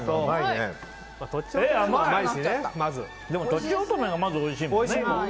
とちおとめがまずおいしいもん。